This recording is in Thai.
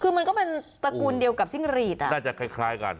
คือมันก็เป็นตระกูลเดียวกับจิ้งหรีดน่าจะคล้ายกัน